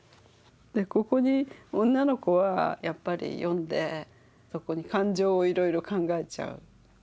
ここに女の子はやっぱり読んでそこに感情をいろいろ考えちゃう。